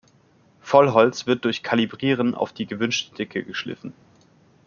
Vollholz wird durch "Kalibrieren" auf die gewünschte Dicke geschliffen.